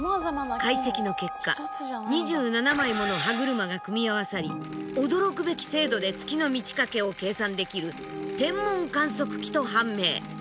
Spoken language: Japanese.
解析の結果２７枚もの歯車が組み合わさり驚くべき精度で月の満ち欠けを計算できる天文観測機と判明。